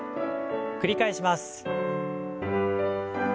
繰り返します。